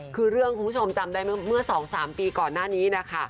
คือเรื่องคุณผู้ชมจำได้เมื่อ๒๓ปีก่อนหน้านี้นะคะ